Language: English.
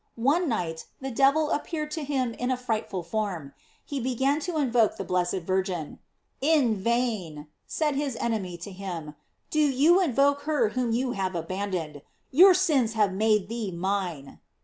One night the devil appeared to him in a frightful form. He began to invoke the blessed Virgin. "In vain," said his enemy to him, "do you invoke her whom you have abandoned; your sins have made thee mine."